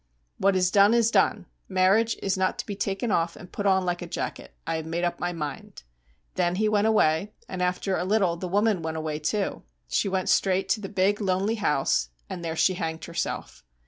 'What is done, is done. Marriage is not to be taken off and put on like a jacket. I have made up my mind.' Then he went away, and after a little the woman went away too. She went straight to the big, lonely house, and there she hanged herself.